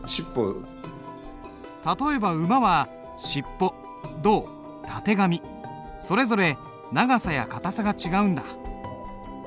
例えば馬は尻尾胴たてがみそれぞれ長さや硬さが違うんだ。